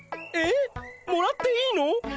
えっもらっていいの？